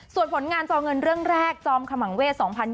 ส่วนผลงานจอเงินเรื่องแรกจอมขมังเวศ๒๐๒๐